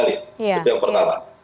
itu yang pertama